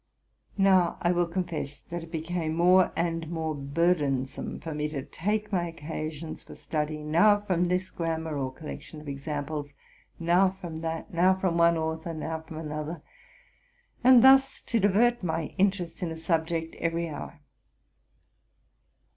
Now, I will confess that it be came more and more burdensome for me to take my occa sions for study now from this grammar or collection of examples, now from that; now from one author, now from another, —and thus to divert my interest in a subject every hour.